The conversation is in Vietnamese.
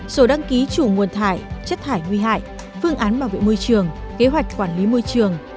sổ đăng ký chủ nguồn thải chất thải nguy hại phương án bảo vệ môi trường kế hoạch quản lý môi trường